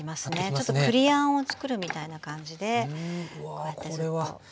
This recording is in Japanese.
ちょっと栗あんをつくるみたいな感じでこうやってちょっと。